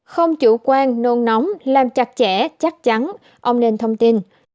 không chủ quan nôn nóng làm chặt chẽ chắc chắn ông nên thông tin